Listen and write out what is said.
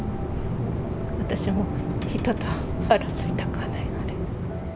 私も人と争いたくはないので。